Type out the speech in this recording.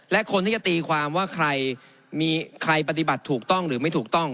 และคนที่จะตีความว่าใครมีใครปฏิบัติถูกต้องหรือไม่ถูกต้อง